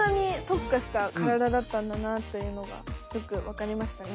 だったんだなというのがよくわかりましたね。